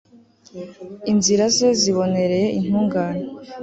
inzira ze zibonereye intungane